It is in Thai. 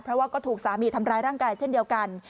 เพราะว่าก็ถูกสามีทำร้ายร่างกายเช่นเดียวกัน